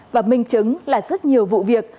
và minh chứng là rất nhiều vụ việc